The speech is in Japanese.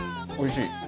おいしい。